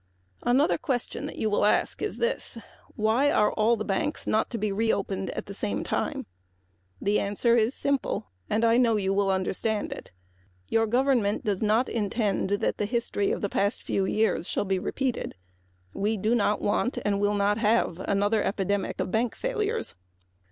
A question you will ask is this: why are all the banks not to be reopened at the same time? The answer is simple. Your government does not intend that the history of the past few years shall be repeated. We do not want and will not have another epidemic of bank failures.